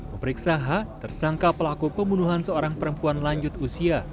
meperiksa ha tersangka pelaku pembunuhan seorang perempuan lanjut usia